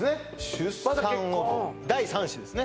出産を第三子ですね